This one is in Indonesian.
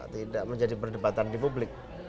tidak menjadi perdebatan di publik